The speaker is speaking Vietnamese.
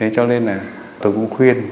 cho nên là tôi cũng khuyên